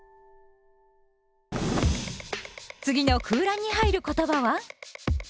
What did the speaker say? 次の空欄に入る言葉は？